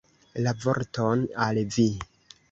Ia vorton al vi.